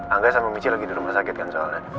angga sama micha lagi di rumah sakit kan soalnya